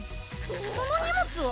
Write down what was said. その荷物は？